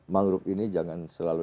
mangrove ini jangan selalu